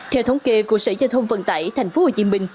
theo thống kê của sở giao thông vận tải tp hcm